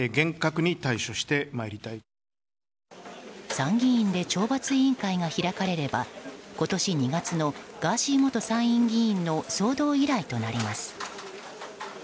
参議院で懲罰委員会が開かれれば今年２月のガーシー元参院議員の騒動以来となります。